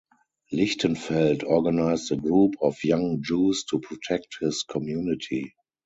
Lichtenfeld organized a group of young Jews to protect his community.